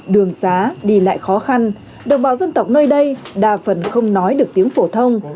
đường xá đi lại khó khăn đồng bào dân tộc nơi đây đa phần không nói được tiếng phổ thông